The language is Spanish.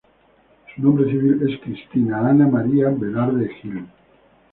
Su nombre civil es Cristina Ana María Velarde Gil.